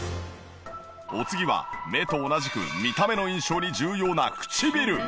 お次は目と同じく見た目の印象に重要な唇。